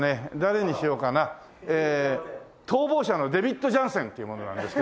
『逃亡者』のデビッド・ジャンセンっていう者なんですけど。